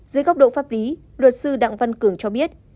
dưới góc độ pháp lý luật sư đặng văn cường cho biết